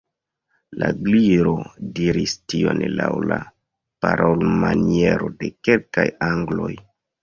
La Gliro diris tion laŭ la parolmaniero de kelkaj angloj.